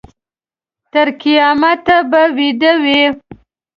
تر قیامته به ویده وي.